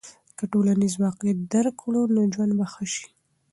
که ټولنیز واقعیت درک کړو نو ژوند به ښه سي.